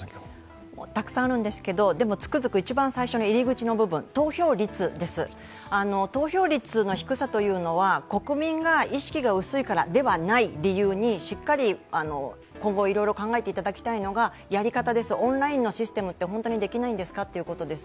たくさんあるんですけど、でもつくずく入り口の部分、投票率です、投票率の低さというのは国民が意識が薄いからではない理由にしっかり今後いろいろ考えていただきたいのがやり方です、オンラインのシステムって本当にできないんですかってことです。